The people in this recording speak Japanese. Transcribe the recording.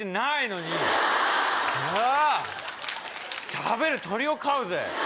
しゃべる鳥を飼うぜ。